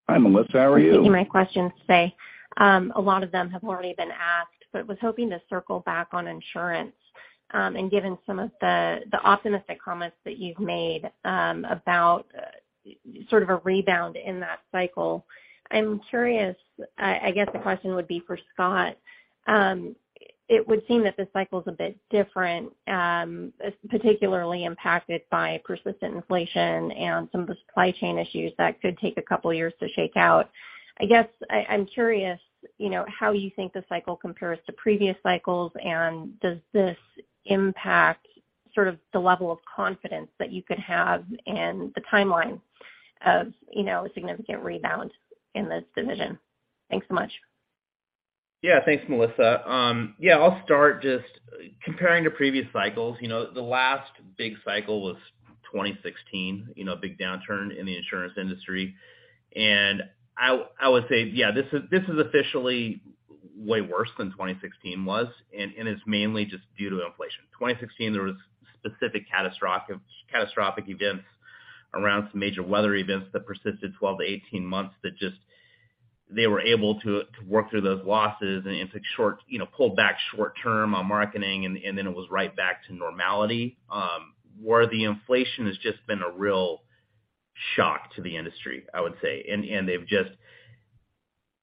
Hi, Melissa. How are you? Thank you for my questions today. A lot of them have already been asked, but was hoping to circle back on Insurance. Given some of the optimistic comments that you've made about sort of a rebound in that cycle, I'm curious. I guess the question would be for Scott. It would seem that this cycle is a bit different, particularly impacted by persistent inflation and some of the supply chain issues that could take a couple of years to shake out. I'm curious, you know, how you think the cycle compares to previous cycles, and does this impact sort of the level of confidence that you could have and the timeline of, you know, a significant rebound in this division? Thanks so much. Yeah. Thanks, Melissa. Yeah, I'll start just comparing to previous cycles. You know, the last big cycle was 2016, you know, big downturn in the Insurance industry. I would say, yeah, this is officially way worse than 2016 was, and it's mainly just due to inflation. 2016, there was specific catastrophic events around some major weather events that persisted 12-18 months. They were able to work through those losses, and it took, you know, pulled back short term on marketing, and then it was right back to normality. Where the inflation has just been a real shock to the industry, I would say. They've just...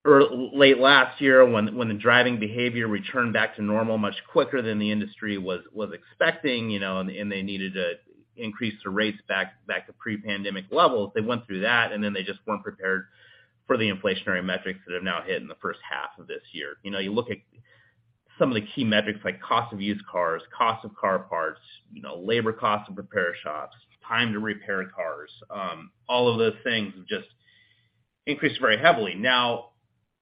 Late last year when the driving behavior returned back to normal much quicker than the industry was expecting, you know, and they needed to increase the rates back to pre-pandemic levels. They went through that, and then they just weren't prepared for the inflationary metrics that have now hit in the first half of this year. You know, you look at some of the key metrics like cost of used cars, cost of car parts, you know, labor costs of repair shops, time to repair cars, all of those things have just increased very heavily. Now,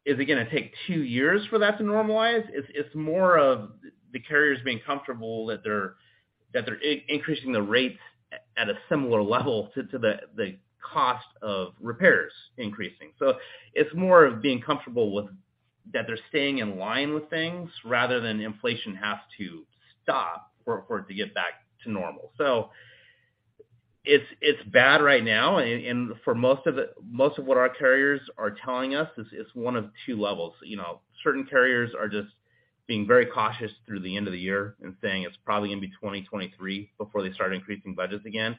is it gonna take two years for that to normalize? It's more of the carriers being comfortable that they're increasing the rates at a similar level to the cost of repairs increasing. It's more of being comfortable with that they're staying in line with things rather than inflation has to stop for it to get back to normal. It's bad right now. For most of it, most of what our carriers are telling us is it's one of two levels. You know, certain carriers are just being very cautious through the end of the year and saying it's probably gonna be 2023 before they start increasing budgets again.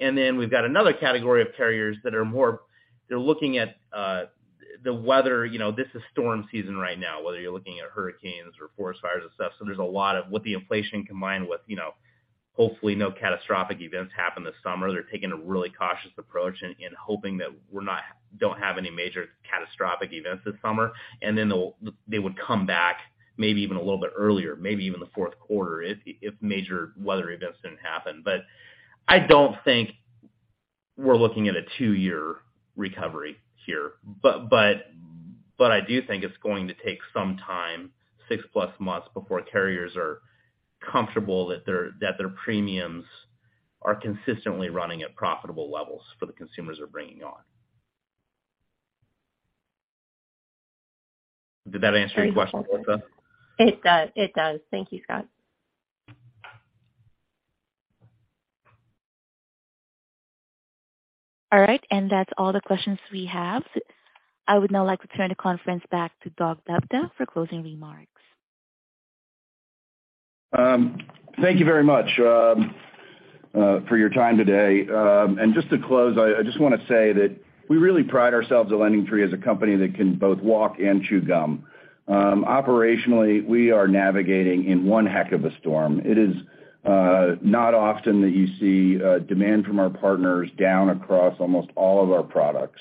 We've got another category of carriers that are more. They're looking at the weather. You know, this is storm season right now, whether you're looking at hurricanes or forest fires and stuff. There's a lot of what the inflation combined with, you know. Hopefully, no catastrophic events happen this summer. They're taking a really cautious approach and hoping that we don't have any major catastrophic events this summer. They would come back maybe even a little bit earlier, maybe even the fourth quarter if major weather events didn't happen. I don't think we're looking at a 2-year recovery here. I do think it's going to take some time, 6+ months before carriers are comfortable that their premiums are consistently running at profitable levels for the consumers they're bringing on. Did that answer your question, Melissa? It does. Thank you, Scott. All right. That's all the questions we have. I would now like to turn the conference back to Doug Lebda for closing remarks. Thank you very much for your time today. Just to close, I just wanna say that we really pride ourselves at LendingTree as a company that can both walk and chew gum. Operationally, we are navigating in one heck of a storm. It is not often that you see demand from our partners down across almost all of our products.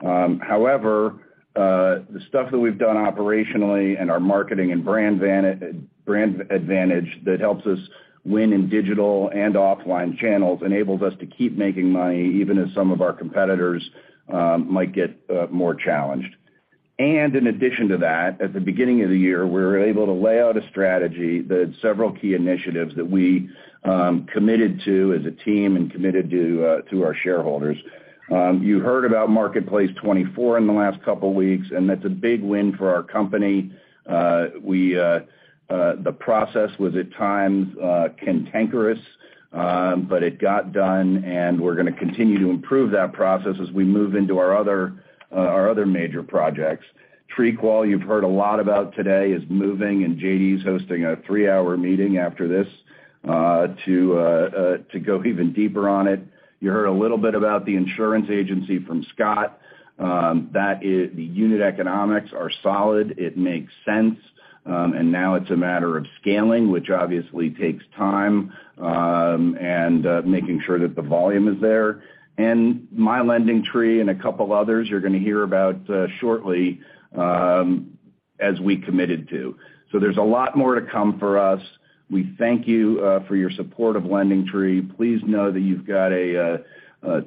However, the stuff that we've done operationally and our marketing and brand advantage that helps us win in digital and offline channels enables us to keep making money even as some of our competitors might get more challenged. In addition to that, at the beginning of the year, we were able to lay out a strategy that had several key initiatives that we committed to as a team and committed to our shareholders. You heard about Marketplace 24 in the last couple weeks, and that's a big win for our company. The process was at times cantankerous, but it got done, and we're gonna continue to improve that process as we move into our other major projects. TreeQual, you've heard a lot about today, is moving, and J.D.'s hosting a 3-hour meeting after this to go even deeper on it. You heard a little bit about the Insurance agency from Scott. That is, the unit economics are solid. It makes sense. Now it's a matter of scaling, which obviously takes time, and making sure that the volume is there. My LendingTree and a couple others you're gonna hear about, shortly, as we committed to. There's a lot more to come for us. We thank you for your support of LendingTree. Please know that you've got a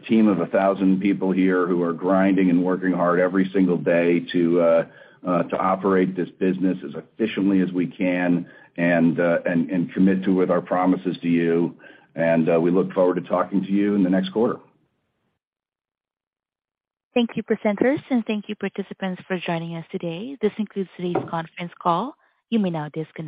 team of 1,000 people here who are grinding and working hard every single day to operate this business as efficiently as we can and commit to with our promises to you. We look forward to talking to you in the next quarter. Thank you, presenters, and thank you, participants, for joining us today. This concludes today's conference call. You may now disconnect.